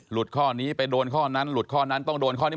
ข้อนี้ไปโดนข้อนั้นหลุดข้อนั้นต้องโดนข้อนี้